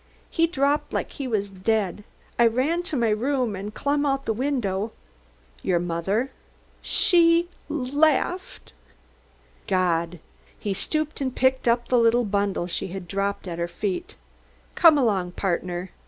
He dropped like he was dead. I ran to my room and clum out the window " "Your mother " "She laughed." "God!" He stooped and picked up the little bundle she had dropped at her feet. "Come along, Partner.